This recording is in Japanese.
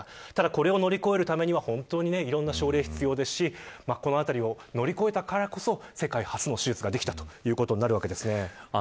これを乗り越えるためには本当にいろんな症例が必要ですしこのあたりを乗り越えたからこそ世界初の手術ができたということになります。